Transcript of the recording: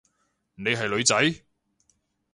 你係女仔？